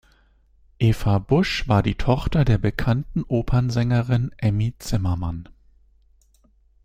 Eva Busch war die Tochter der bekannten Opernsängerin Emmy Zimmermann.